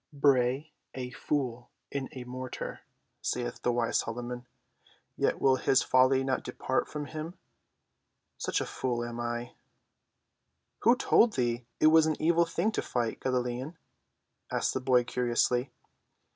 'Bray a fool in a mortar,' sayeth the wise Solomon, 'yet will his folly not depart from him.' Such a fool am I." "Who told thee it was an evil thing to fight, Galilean?" asked the boy curiously.